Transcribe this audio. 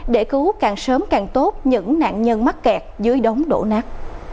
để cứu càng sớm càng tốt những nạn nhân mắc kẹt dưới đống đổ nát